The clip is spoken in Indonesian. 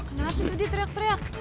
kenapa tuh dia teriak teriak